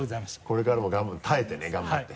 これからも耐えてね頑張って。